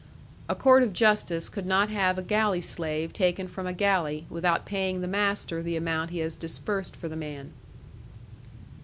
A court of justice could not have a galley slave taken from a galley, without paying the master the amount he has disbursed for the man.